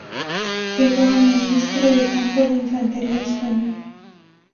Llegó a Maestre de Campo de Infantería Española.